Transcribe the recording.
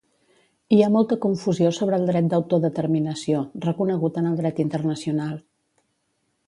Hi ha molta confusió sobre el dret d’autodeterminació, reconegut en el dret internacional.